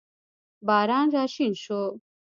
باران راشین شو